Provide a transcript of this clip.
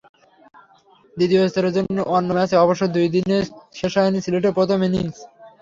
দ্বিতীয় স্তরের অন্য ম্যাচে অবশ্য দুই দিনেও শেষ হয়নি সিলেটের প্রথম ইনিংস।